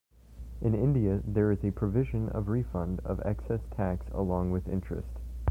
In India, there is a provision of refund of excess tax along with interest.